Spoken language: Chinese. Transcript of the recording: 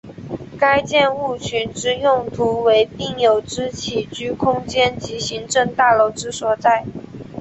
该建物群之用途为病友之起居空间及行政大楼之所在。